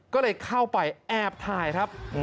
ก็เลยเข้าไปแอบถ่ายครับ